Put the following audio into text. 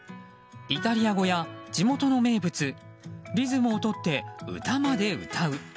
イタリア語や地元の名物リズムをとって歌まで歌う。